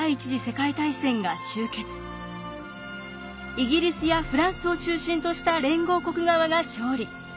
イギリスやフランスを中心とした連合国側が勝利。